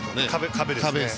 壁ですね。